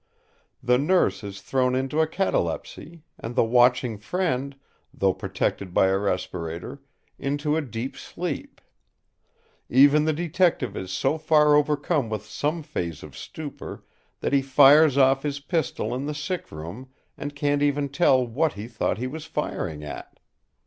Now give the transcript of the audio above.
The nurse is thrown into a catalepsy, and the watching friend—though protected by a respirator—into a deep sleep. Even the detective is so far overcome with some phase of stupor that he fires off his pistol in the sick room, and can't even tell what he thought he was firing at.